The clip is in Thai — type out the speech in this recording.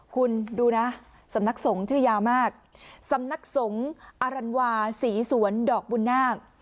คุณดูนะสำนักสงฆ์ชื่อยาวมากสำนักสงฆ์อรันวาศรีสวนดอกบุญนาค